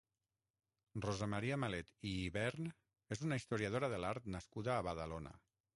Rosa Maria Malet i Ybern és una historiadora de l'art nascuda a Badalona.